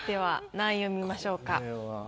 何位を見ましょうか？